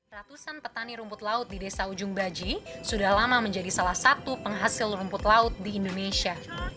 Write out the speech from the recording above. ratusan petani rumput laut di desa ujung baji sudah lama menjadi salah satu penghasil rumput laut di indonesia